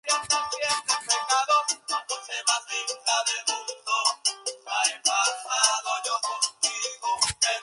Hablaba en cambio el griego así como varias lenguas nórdicas.